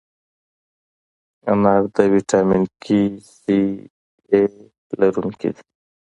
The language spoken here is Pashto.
انار د ویټامین A، C، K لرونکی دی.